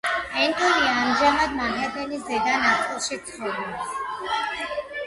ენტონი ამჟამად მანჰეტენის ზედა ნაწილში ცხოვრობს.